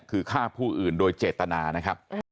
คือฆ่าผู้อื่นโดยเจตนานะครับ